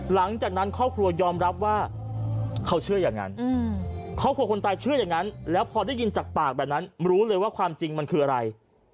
หลังจากนั้นครอบครัวยอมรับว่าเขาเชื่ออย่างนั้นครอบครัวคนตายเชื่ออย่างนั้นแล้วพอได้ยินจากปากแบบนั้นรู้เลยว่าความจริงมันคืออะไร